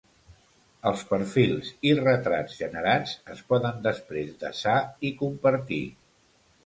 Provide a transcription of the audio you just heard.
Els perfils i retrats generats es poden després desar i compartir.